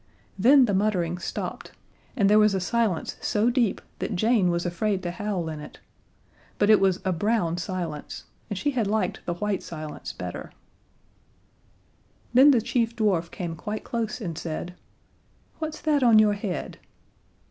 Then the muttering stopped and there was a silence so deep that Jane was afraid to howl in it. But it was a brown silence, and she had liked the white silence better. Then the chief dwarf came quite close and said: "What's that on your head?"